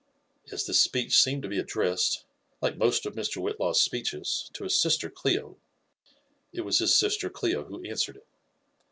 As this speech seemed (p he addressed, like most of Mr.Whitlaw'^ speeches, to his sister Clio, it was his sister Clio who answered i^.